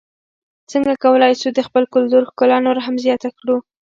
څنګه کولای سو د خپل کلتور ښکلا نوره هم زیاته کړو؟